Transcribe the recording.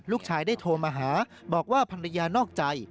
ลูกชายได้โทรมาหาบอกว่าภรรยานอกใจ